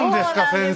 先生。